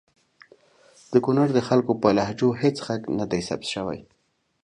د کنړ د خلګو په لهجو هیڅ ږغ ندی ثبت سوی!